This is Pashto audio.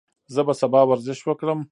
زه به سبا ورزش وکړم.